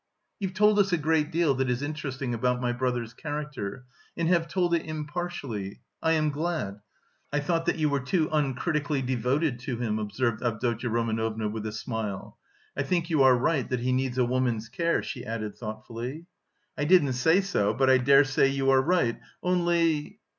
"You've told us a great deal that is interesting about my brother's character... and have told it impartially. I am glad. I thought that you were too uncritically devoted to him," observed Avdotya Romanovna with a smile. "I think you are right that he needs a woman's care," she added thoughtfully. "I didn't say so; but I daresay you are right, only..."